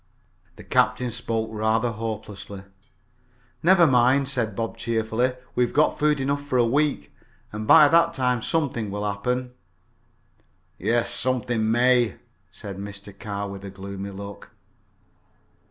The captain spoke rather hopelessly. "Never mind," said Bob cheerfully. "We've got food enough for a week, and by that time something may happen." "Yes, something may," said Mr. Carr, with a gloomy look.